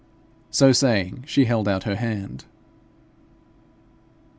So saying, she held out her hand.